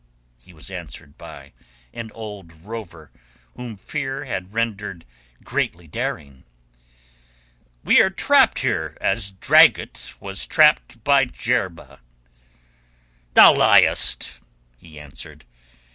He was answered by an old rover whom fear had rendered greatly daring. "We are trapped here as Dragut was trapped at Jerba." "Thou liest," he answered.